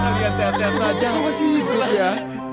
kalian sehat sehat saja hamasi ibu ya